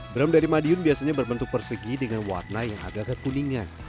drum dari madiun biasanya berbentuk persegi dengan warna yang agak kekuningan